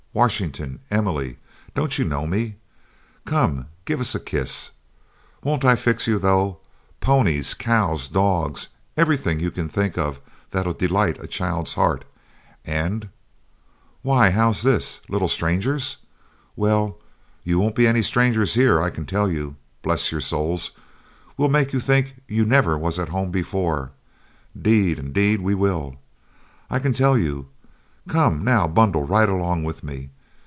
Washington, Emily, don't you know me? Come, give us a kiss. Won't I fix you, though! ponies, cows, dogs, everything you can think of that'll delight a child's heart and Why how's this? Little strangers? Well you won't be any strangers here, I can tell you. Bless your souls we'll make you think you never was at home before 'deed and 'deed we will, I can tell you! Come, now, bundle right along with me.